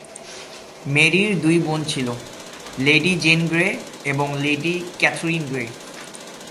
মেরির দুই বোন ছিল, লেডি জেন গ্রে এবং লেডি ক্যাথরিন গ্রে।